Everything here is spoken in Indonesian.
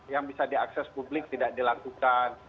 yang bisa diakses publik tidak dilakukan